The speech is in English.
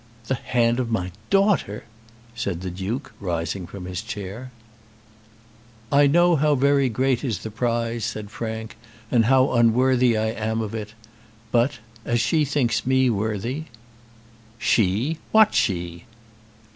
"The hand of my daughter!" said the Duke, rising from his chair. "I know how very great is the prize," said Frank, "and how unworthy I am of it. But as she thinks me worthy " "She! What she?"